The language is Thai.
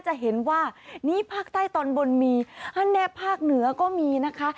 จะเห็นว่านี้ภาคใต้ตอนบนมีฮันแนบภาคเหนือก็มีนะคะ